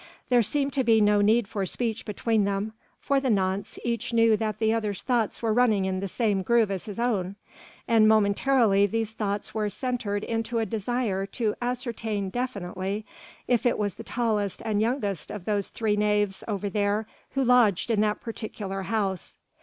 There seemed to be no need for speech between them; for the nonce each knew that the other's thoughts were running in the same groove as his own; and momentarily these thoughts were centred into a desire to ascertain definitely if it was the tallest and youngest of those three knaves over there who lodged in that particular house.